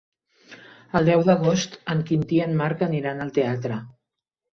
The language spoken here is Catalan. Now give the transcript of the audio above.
El deu d'agost en Quintí i en Marc aniran al teatre.